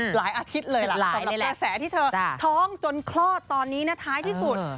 หลายอาทิตย์เลยล่ะสำหรับกระแสที่เธอท้องจนคลอดตอนนี้นะท้ายที่สุด